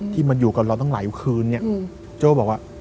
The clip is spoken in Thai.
ที่มันอยู่กับเราตั้งหลายคืนเนี่ยโจ้บอกว่า